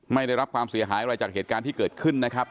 ไม่ได้รับความเสียหายอะไรจากเหตุการณ์ที่เกิดขึ้นนะครับ